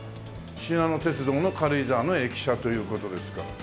しなの鉄道の軽井沢の駅舎という事ですから。